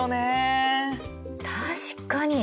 確かに。